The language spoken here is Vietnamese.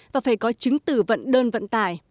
và phải có chứng tử vận đơn vận tải